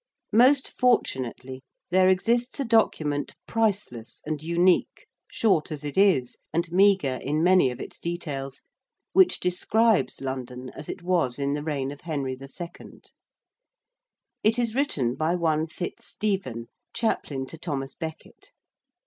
Most fortunately, there exists a document priceless and unique, short as it is and meagre in many of its details, which describes London as it was in the reign of Henry II. It is written by one FitzStephen, Chaplain to Thomas Becket.